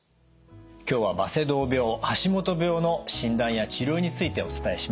今日はバセドウ病橋本病の診断や治療についてお伝えしました。